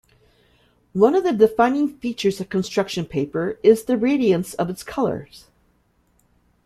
One of the defining features of construction paper is the radiance of its colours.